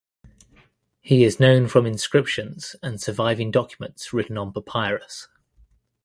He is known from inscriptions and surviving documents written on papyrus.